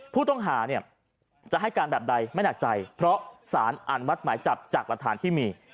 ผู้ต้องหาเนี่ยจะให้การแบบใดไม่หนักใจเพราะสารอนุมัติหมายจับจากหลักฐานที่มี